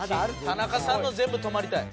田中さんの全部止まりたい。